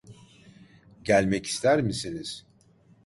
Gelmek ister misiniz?